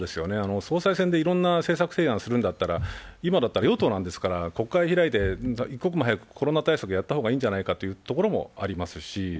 総裁選でいろんな政策提案するんだったら、今だったら与党なんですから、国会を開いて一刻も早くコロナ対策をやった方がいいんじゃないかというところもありますし。